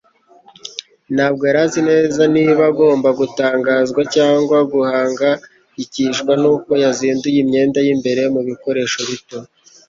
Ntabwo yari azi neza niba agomba gutangazwa cyangwa guhangayikishwa nuko yazinduye imyenda y'imbere mu bikoresho bito.